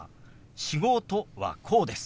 「仕事」はこうです。